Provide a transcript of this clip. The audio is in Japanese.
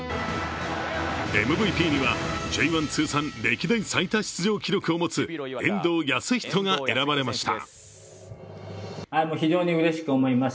ＭＶＰにはＪ１通算歴代最多出場記録を持つ遠藤保仁が選ばれました。